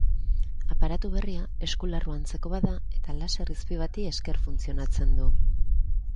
Aparatu berria eskularru antzeko bat da eta laser izpi bati esker funtzionatzen du.